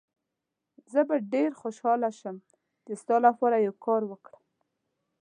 زه به ډېر خوشحاله شم چي ستا لپاره یو کار وکړم.